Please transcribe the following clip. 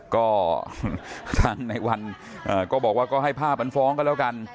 ก็ทางในวันก็บอกว่าก็ให้ภาพมันฟ้องกันแล้วกัน